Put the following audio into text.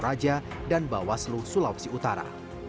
raja dan bawaslu sulawesi utara